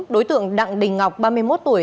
đối tượng đặng đình ngọc ba mươi một tuổi